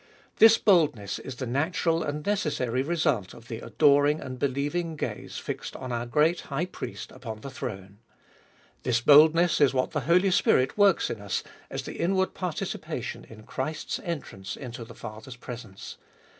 This boldness is the natural and necessary result of the adoring and believing gaze fixed on our great High Priest upon the throne. This boldness is what the Holy Spirit works in us as the inward participation in Christ's entrance into the Father's presence.